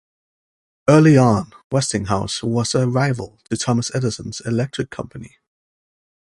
Early on Westinghouse was a rival to Thomas Edison's electric company.